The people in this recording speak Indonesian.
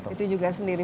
itu juga sendiri